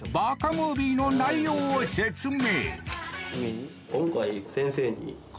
ムービーの内容を説明